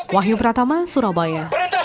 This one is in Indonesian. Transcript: wahyu pratama surabaya